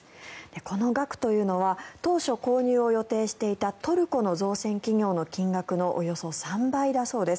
この額というのは当初、購入を予定していたトルコの造船企業の金額のおよそ３倍だそうです。